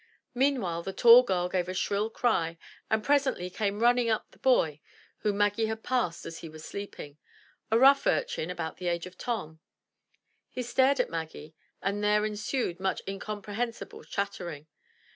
Meanwhile the tall girl gave a shrill cry and presently came running up the boy whom Maggie had passed as he was sleeping, — a rough urchin about the age of Tom. He stared at Maggie and there ensued much incomprehensible chattering.